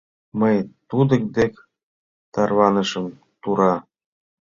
Мый тудын дек тарванышым тура.